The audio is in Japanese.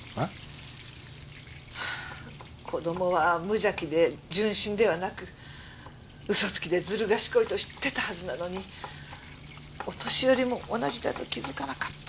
子供は無邪気で純真ではなく嘘つきでずる賢いと知ってたはずなのにお年寄りも同じだと気づかなかった。